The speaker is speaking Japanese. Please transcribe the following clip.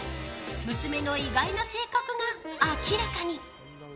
娘の意外な性格が明らかに。